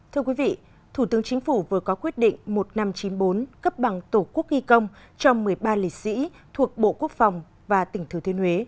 thưa quý vị thủ tướng chính phủ vừa có quyết định một nghìn năm trăm chín mươi bốn cấp bằng tổ quốc y công cho một mươi ba lịch sĩ thuộc bộ quốc phòng và tỉnh thừa thiên huế